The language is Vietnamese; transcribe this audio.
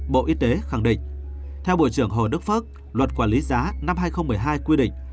bộ y tế khẳng định theo bộ trưởng hồ đức phước luật quản lý giá năm hai nghìn một mươi hai quy định